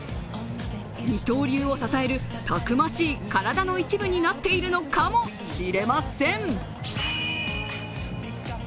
二刀流を支えるたくましい体の一部になっているのかもしれません。